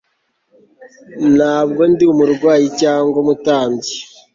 ntabwo ndi umurwanyi cyangwa umutambyi